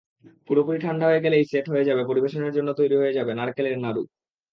পুরোপুরি ঠান্ডা হয়ে গেলেই সেট হয়ে যাবে পরিবেশনের জন্য তৈরি হয়ে যাবে নারকেলের নাড়ু।